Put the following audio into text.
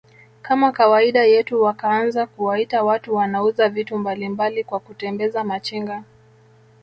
kama kawaida yetu wakaanza kuwaita watu wanauza vitu mbalimbali kwa kutembeza Machinga